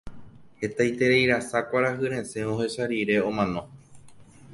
hetaitereirasa kuarahyresẽ ohecha rire omano